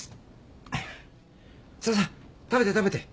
さあさあ食べて食べて。